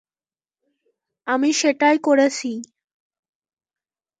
আমি সেটাই করেছি।